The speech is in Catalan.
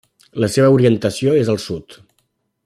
La seva orientació és al Sud.